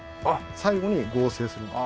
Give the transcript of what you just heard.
最後に合成するんです。